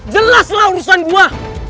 jelas lah urusan gua